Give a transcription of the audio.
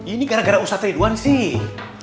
ini gara gara ustadz ridwan sih